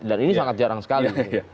dan ini sangat jarang sekali